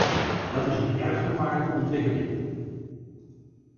Dat is een erg gevaarlijke ontwikkeling.